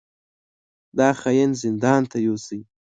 دا خاين زندان ته يوسئ!